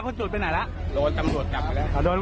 ก็ไหลอย่าง